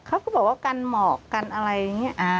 เขาก็บอกว่ากันหมอกกันอะไรอย่างนี้